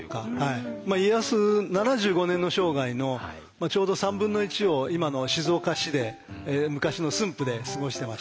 ７５年の生涯のちょうど３分の１を今の静岡市で昔の駿府で過ごしてました。